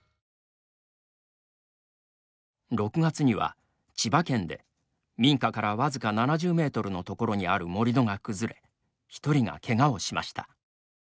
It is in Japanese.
６月には千葉県で、民家から僅か７０メートルの所にある盛り土が崩れ、１人がけがをしました。